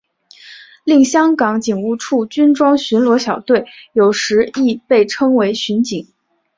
另香港警务处军装巡逻小队有时亦被称为巡警。